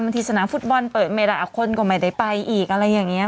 บางทีสนามฟุตบอลเปลี่ยนเมลาคนก็ไม่ได้ไปอีกอะไรอย่างนี้